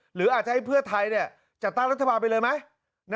หรืออาจจะให้เพื่อไทยจัดตั้งรัฐบาลไปเลยไหม